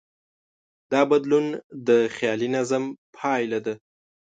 دا بدلون د خیالي نظم پایله ده.